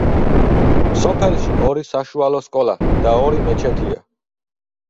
სოფელში ორი საშუალო სკოლა და ორი მეჩეთია.